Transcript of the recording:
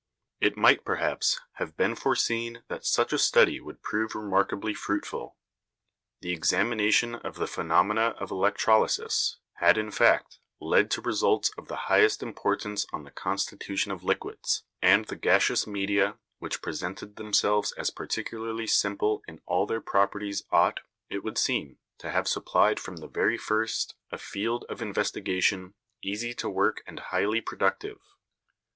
It might, perhaps, have been foreseen that such a study would prove remarkably fruitful. The examination of the phenomena of electrolysis had, in fact, led to results of the highest importance on the constitution of liquids, and the gaseous media which presented themselves as particularly simple in all their properties ought, it would seem, to have supplied from the very first a field of investigation easy to work and highly productive.